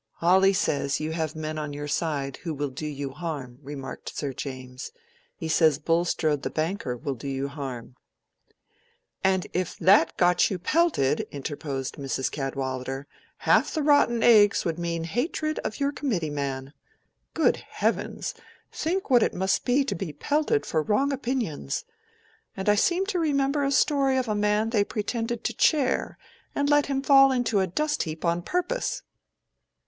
"Hawley says you have men on your side who will do you harm," remarked Sir James. "He says Bulstrode the banker will do you harm." "And that if you got pelted," interposed Mrs. Cadwallader, "half the rotten eggs would mean hatred of your committee man. Good heavens! Think what it must be to be pelted for wrong opinions. And I seem to remember a story of a man they pretended to chair and let him fall into a dust heap on purpose!"